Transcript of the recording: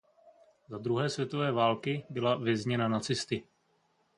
Za druhé světové války byla vězněna nacisty.